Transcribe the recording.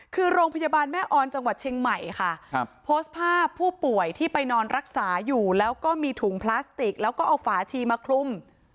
คือโรงพยาบาลแม่ออนจังหวัดเชียงใหม่ค่ะครับโพสต์ภาพผู้ป่วยที่ไปนอนรักษาอยู่แล้วก็มีถุงพลาสติกแล้วก็เอาฝาชีมาคลุม